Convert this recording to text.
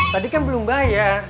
tadi kan belum bayar